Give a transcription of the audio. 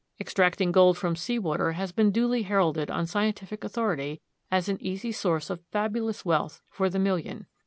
Extracting gold from sea water has been duly heralded on scientific authority as an easy source of fabulous wealth for the million.